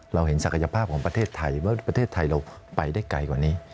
เราเห็นศักยภาพของประเทศไทยว่าประเทศไทยเราไปได้ไกลกว่านี้